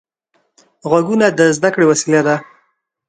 غوږونه د زده کړې وسیله ده